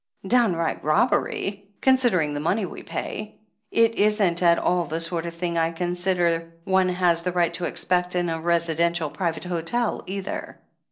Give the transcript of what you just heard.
"Downright robbery, considering the money we pay. It isn't at all the sort of thing I consider one has the right to expect in a Residential Private Hotel either."